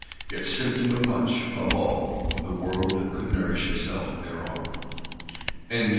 Yet symptom of much; above all, of the world that could nourish itself thereon. BOOK 1.